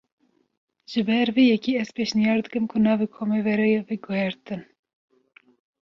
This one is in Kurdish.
Ji ber vê yekê, ez pêşniyar dikim ku navê komê were guhertin